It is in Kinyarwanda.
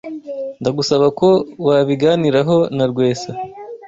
Ndagusaba ko wabiganiraho na Rwesa.